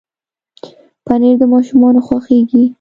پنېر د ماشومانو خوښېږي.